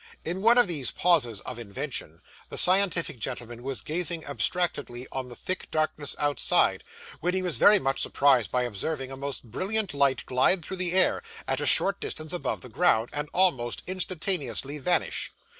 In one of these pauses of invention, the scientific gentleman was gazing abstractedly on the thick darkness outside, when he was very much surprised by observing a most brilliant light glide through the air, at a short distance above the ground, and almost instantaneously vanish.